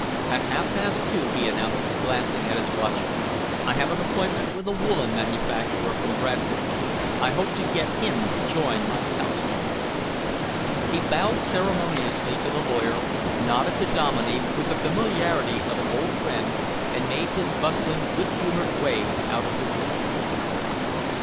"At half past two," he announced, glancing at his watch, "I have an appointment with a woollen manufacturer from Bradford. I hope to get him to join my council." He bowed ceremoniously to the lawyer, nodded to Dominey with the familiarity of an old friend, and made his bustling, good humoured way out of the room.